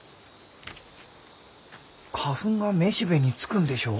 花粉が雌しべにつくんでしょう？